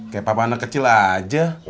kayak papa anak kecil aja